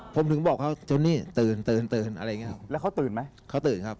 ผมถึงบอกเขาโทนี่ตื่นอะไรอย่างนี้ครับ